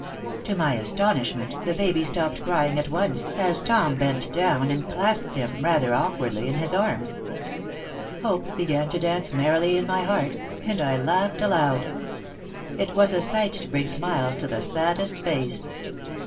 To my astonishment, the baby stopped crying at once, as Tom bent down and clasped him, rather awkwardly, in his arms. Hope began to dance merrily in my heart, and I laughed aloud. It was a sight to bring smiles to the saddest face.